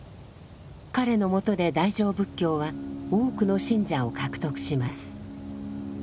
彼のもとで大乗仏教は多くの信者を獲得します。